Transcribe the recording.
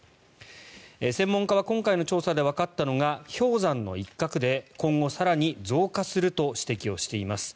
専門家は今回の調査でわかったのが氷山の一角で今後更に増加すると指摘しています。